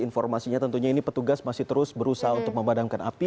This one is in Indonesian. informasinya tentunya ini petugas masih terus berusaha untuk memadamkan api